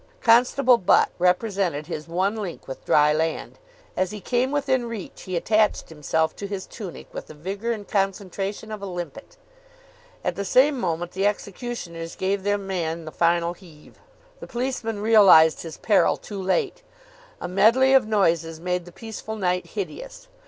Constable Butt represented his one link with dry land. As he came within reach he attached himself to his tunic with the vigour and concentration of a limpet. At the same moment the executioners gave their man the final heave. The policeman realised his peril too late. A medley of noises made the peaceful night hideous.